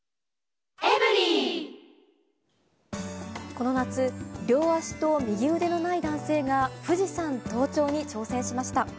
この夏、両足と右腕のない男性が富士山登頂に挑戦しました。